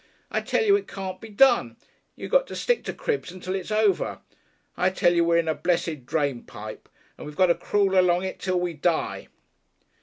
I tell you it can't be done. You got to stick to cribs until it's over. I tell you we're in a blessed drainpipe, and we've got to crawl along it till we die."